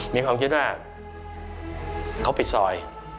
มีความคิดว่าเขาปิดซอย